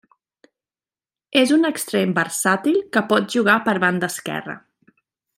És un extrem versàtil que pot jugar per banda esquerra.